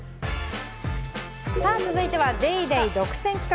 続いては『ＤａｙＤａｙ．』独占企画。